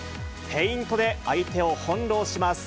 フェイントで相手を翻弄します。